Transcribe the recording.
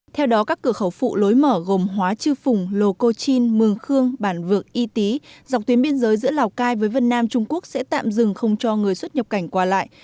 theo đó các cửa khẩu phụ lối mở gồm hóa chư phùng lô cô chin mường khương bản vượng y tý dọc tuyến biên giới giữa lào cai với vân nam trung quốc sẽ tạm dừng không cho người xuất nhập cảnh qua lại